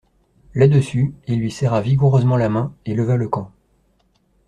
Là-dessus, il lui serra vigoureusement la main, et leva le camp.